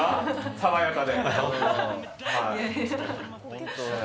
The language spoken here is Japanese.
爽やかで。